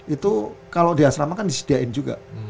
itu kalau di asrama kan disediakan juga